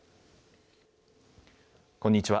こんにちは。